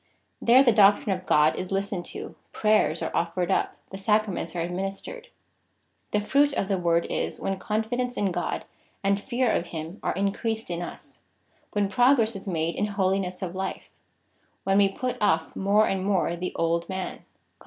There the doctrine of God is listened to, prayers are offered up, the Sacraments are administered. The fruit of the Word is, when confidence in God and fear of him are increased in us — when progress is made in holiness of life — when we put off more and more the old man, (Col.